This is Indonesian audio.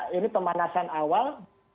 ini pemanasan awal